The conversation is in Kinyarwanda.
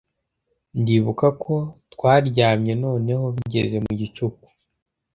ndibuka ko twaryamye noneho bigeze mu gicuku